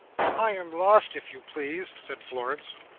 "I am lost, if you please!" said Florence.